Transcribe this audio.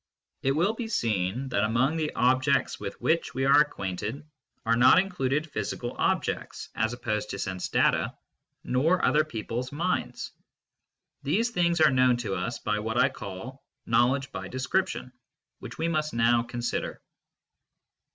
JU^ It__will be seen that among the objects with which we are acquainted are not included physical objects (as opposed to sense data), nortrther people s minds. These things are known to us by what I call " knowledge by /^description fl^hich we must now consider.